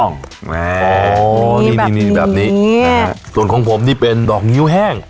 อ๋อนี่นี่นี่นี่แบบนี้ส่วนของผมนี่เป็นดอกงิ้วแห้ง